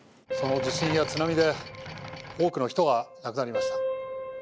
その地震や津波で多くの人が亡くなりました。